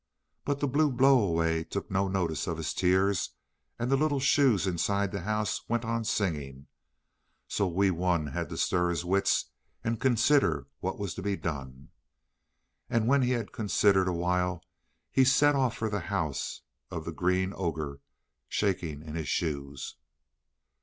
But the blue blow away took no notice of his tears, and the little shoes inside the house went on singing; so Wee Wun had to stir his wits, and consider what was to be done. And when he had considered awhile, he set off for the house of the Green Ogre, shaking in his shoes.